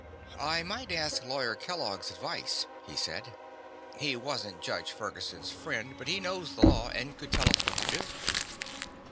"I might ask Lawyer Kellogg's advice," he said. "He wasn't Judge Ferguson's friend, but he knows the law and could tell us what to do."